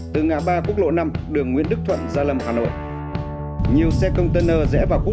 từ ngã ba quốc lộ năm đường nguyễn đức thuận gia lâm hà nội nhiều xe container rẽ vào quốc